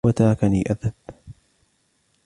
هو تركني أذهب.